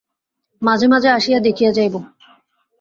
মাঝে মাঝে আসিয়া দেখিয়া যাইব।